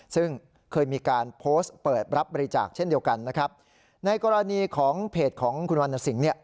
ซึ่งเคยมีการโพสต์เปิดรับบริจาคเช่นเดียวกันนะครับในกรณีของเพจของคุณวรรณสิงห์เนี่ย